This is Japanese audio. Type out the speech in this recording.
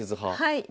はい。